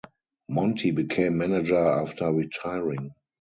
Monti became manager after retiring.